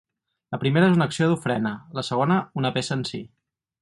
La primera és una acció d’ofrena, la segona una peça en si.